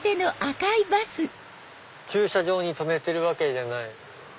駐車場に止めてるわけじゃない。